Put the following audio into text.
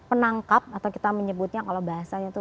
penangkap atau kita menyebutnya kalau bahasanya itu